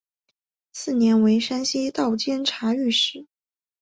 次年为山西道监察御史。